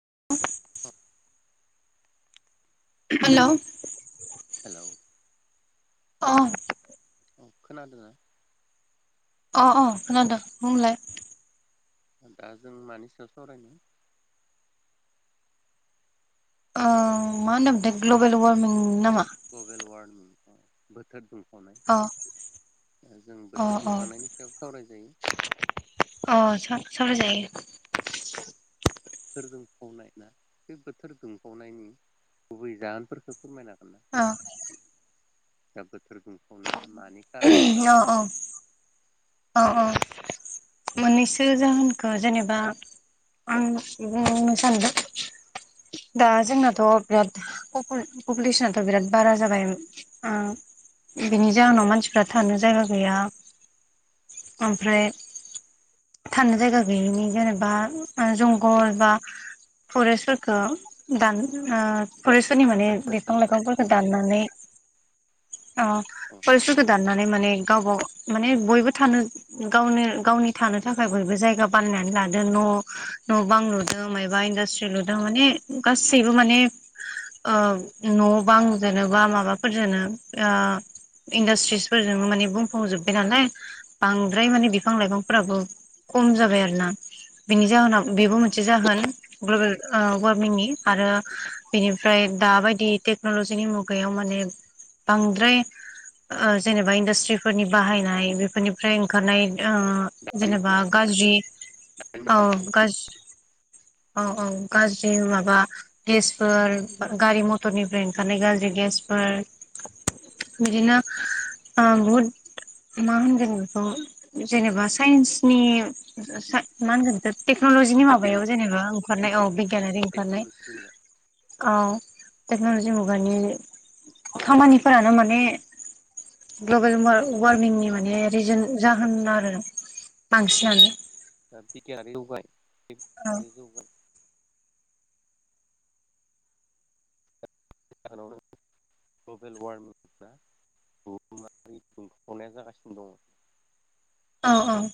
[unintelligible] Hello hello अ औ खोनादोंना अ अ खोनादों बुंलाय दा जों मानि सायाव सावरायनो आ मा होनोमोनथाय ग्लबेल वारमिं नामा ग्लबेर वारर्मिं बोथोर दुं अ फावनाय जों अ बोथोर अ दुंखांनायनि सायाव सावराय जायो सावराय जायो। बोथोर दुंफावनाय ना बे बोथोर दुंफावनायनि गुबै जाहोनफोरखौ फोरमायनो हागोन। ना अह। दा बोथोर दुंखावनाया मानि खार'नाव अ जादों अ अ अ। मोननैसो जाहोनखौ जेनेबा आं बुंनो सानदों दा जोंनाथ' बिराद पपु-पपुलेसनाथ' बिराद बारा जाबाय उम बिनि जाहोनाव मानसि थानो जागा गैया ओमफ्राय थानो जायगा गैयिनि जेनेबा ओ जंगल बा फरेस्ट फोरखो दान ओ फरेस्टफोरनि माने बिफां लाइफांफोरखौ दाननानै ओ अ फरेस्ट फोरखौ दाननानै माने गाव गाव माने बयबो थानो गावनो गावनि थानो थाखाय बयबो जायगा बानायनानै लादों न' न' बां लुदों मायबा इन्डासट्रि लुदों माने गासैबो माने ओ न' बां जेनोबा माबाफोरजोंनो ओ इन्डासट्रिसफोरजों माने बुंफबजोबबाय नालाय बांद्राय माने बिफां लाइफांफोराबो खम जाबाय आरोना बिनि जाहोनाव बेबो मोनसे जाहोन ग्लबेल ओ वारमिंनि आरो बिनिफ्राय दाबायदि टेक्नलजिनि मुगायाव माने बांद्राय ओ जेनेबा इन्डासट्रिफोरनि बाहायनाय बेफोरनिफ्राय ओंखारनाय ओ दा जेनेबा गाज्रि औ गाज औ औ गाज्रि माबा गेसफोर गारि मथरनिफ्राय ओंखारनाय गाज्रि गेसफोर बिदिनो ओ बहुत मा होनगोन बेखौ जेनेबा साइन्सनि ओ सा मा होनगोन बेखो टेक्न'लजिनि माबायाव जेनेबा ओंखारनाय औ बिगियानारि ओंखारनाय ओ टेक्न'लजि मुगानि खामानिफोरानो माने ग्लबेल वार-वार्मिंनि माने रिजोन जाहोन आरो बांसिनानो। [unintelligible] औ [unintelligible] [unintelligible] औ औ।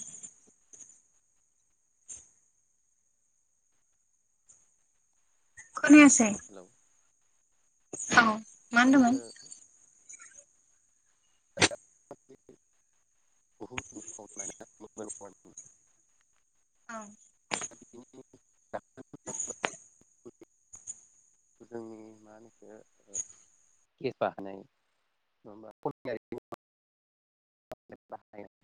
खोनायासै। औ। मा ओनदो होनदोंमोन बुहुत [unintelligible] औ। जोंनि मा होनो इखो [unintelligible]